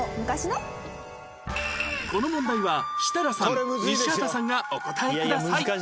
この問題は設楽さん西畑さんがお答えください